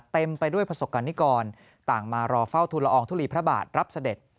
เต็มไปด้วยประสบการณิกรต่างมารอเฝ้าทุลอองทุลีพระบาทรับเสด็จ